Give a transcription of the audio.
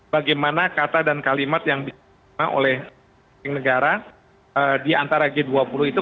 bagaimana kata dan kalimat yang bisa diterima oleh negara di antara g dua puluh itu